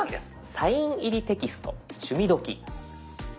「サイン入りテキスト趣味どきっ！」。